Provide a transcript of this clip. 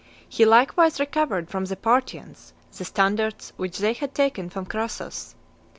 He likewise recovered from the Parthians the standards which they had taken from Crassus.